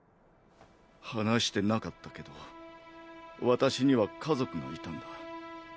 話してなかったけど私には家族がいたんだ。